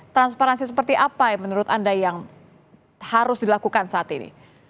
transparansi seperti apa menurut anda yang harus dilakukan saat ini